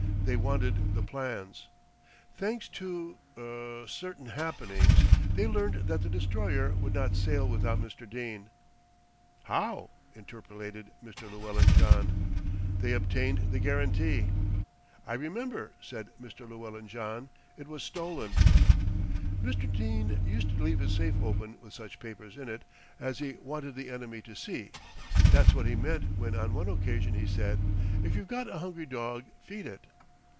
They wanted the plans. Thanks to, er certain happenings they learned that the Destroyer would not sail without Mr. Dene." "How?" interpolated Mr. Llewellyn John "They obtained the guarantee." "I remember," said Mr. Llewellyn John, "it was stolen." "Mr. Dene used to leave his safe open with such papers in it as he wanted the enemy to see. That's what he meant when on one occasion he said, 'If you've got a hungry dog feed it.'"